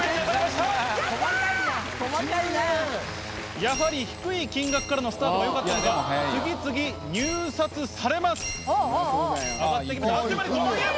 やはり低い金額からのスタートが良かったのか次々入札されます。来てる来てる！